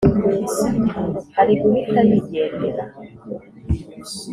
ari guhita yigendera.